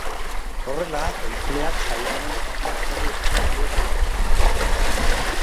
Horrela, entzuleak saioaren parte-hartzaile zuzen bihurtuko dira.